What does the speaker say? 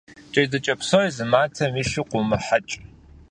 Джэдыкӏэ псори зы матэм илъу къыумыхьэкӏ.